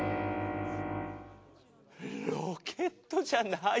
ロケットじゃないよ。